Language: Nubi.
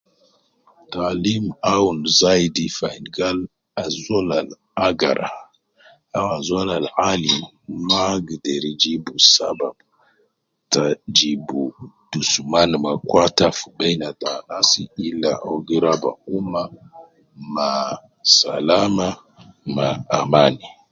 Taalim awun zaidi fi ayin gal azol al agara au azol al alim ma agder jib sabab ta jibu dusuman ma kwata fi beina ta anasi illa uwo gi raba ummah ma salaama ma amani.